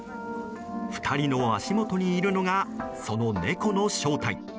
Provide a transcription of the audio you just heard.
２人の足元にいるのがその猫の正体。